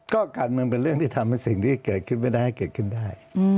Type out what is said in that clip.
ก็การเมืองเป็นเรื่องที่ทำให้สิ่งที่เกิดขึ้นไม่ได้เกิดขึ้นได้